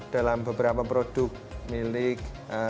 dalam beberapa produk milik